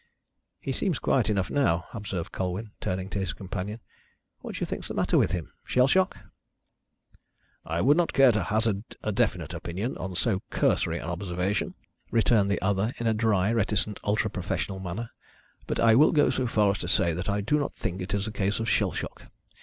"He seems quiet enough now," observed Colwyn, turning to his companion. "What do you think is the matter with him shell shock?" "I would not care to hazard a definite opinion on so cursory an observation," returned the other, in a dry, reticent, ultra professional manner. "But I will go so far as to say that I do not think it is a case of shell shock.